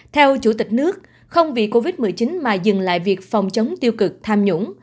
theo chủ tịch nước không vì covid một mươi chín mà dừng lại việc phòng chống tiêu cực tham nhũng